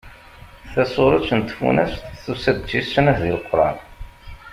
Tasuret n Tfunast tusa-d d tis snat deg Leqran.